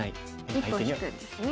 一歩引くんですね。